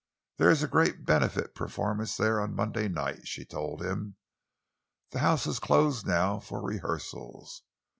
"There is a great benefit performance there on Monday night," she told him. "The house is closed now for rehearsals.